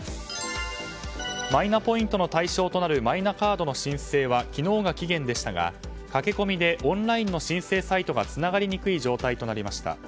マイナポイントの対象となるマイナカードの申請は昨日が期限でしたが、駆け込みでオンラインの申請サイトがつながりにくい状態となりました。